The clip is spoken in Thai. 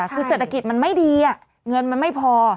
คือเศรษฐกิจมันไม่ดีเงินมันไม่พอ